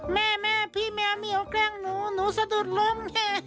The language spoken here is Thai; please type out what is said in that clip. แม่พี่เมี๊ยวแกล้งหนูหนูสะดุดลง